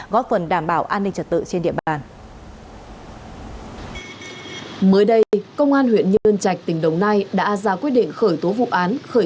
góp phần đảm bảo an ninh trật tự trên địa bàn